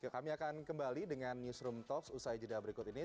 kami akan kembali dengan newsroom talks usai jeda berikut ini